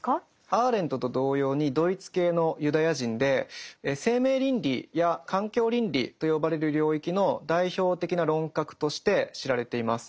アーレントと同様にドイツ系のユダヤ人で生命倫理や環境倫理と呼ばれる領域の代表的な論客として知られています。